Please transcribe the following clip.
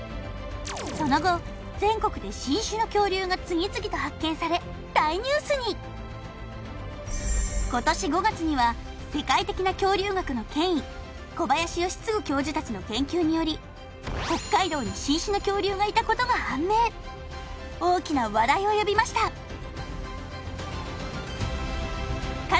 その後全国で新種の恐竜が次々と発見され大ニュースに今年５月には世界的な恐竜学の権威小林快次教授達の研究により北海道に新種の恐竜がいたことが判明大きな話題を呼びましたか